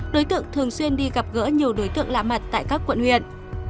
đối tượng thường xuyên đi gặp gỡ nhiều đối tượng lạ mặt tại các quận huyện